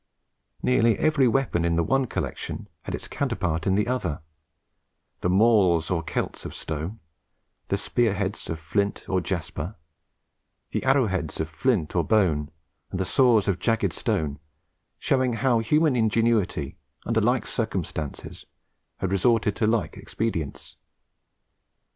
Nearly every weapon in the one collection had its counterpart in the other, the mauls or celts of stone, the spearheads of flint or jasper, the arrowheads of flint or bone, and the saws of jagged stone, showing how human ingenuity, under like circumstances, had resorted to like expedients.